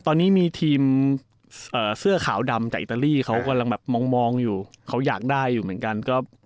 ตอนนี้มีทีมเสื้อขาวดำจากอิตาลีเขากำลังแบบมองอยู่เขาอยากได้อยู่เหมือนกัน